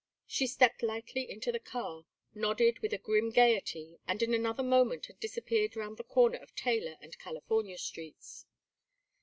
She stepped lightly into the car, nodded with a grim gayety, and in another moment had disappeared round the corner of Taylor and California streets.